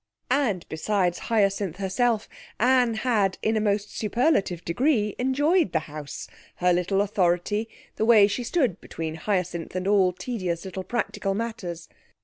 And, besides, Hyacinth herself, Anne had, in a most superlative degree, enjoyed the house, her little authority, the way she stood between Hyacinth and all tedious little practical matters.